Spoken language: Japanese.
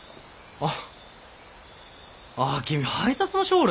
あっ。